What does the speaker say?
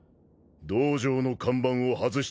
道場の看板を外して燃やせ。